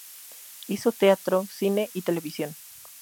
Hizo teatro, cine y televisión.